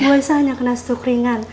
bu aisyah hanya kena stuk ringan